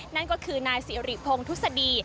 นั่นก็คือนายสิริพงศ์ทุศดี